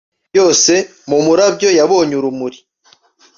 byose mumurabyo yabonye urumuri